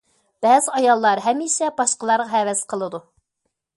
بەزى ئاياللار ھەمىشە باشقىلارغا ھەۋەس قىلىدۇ.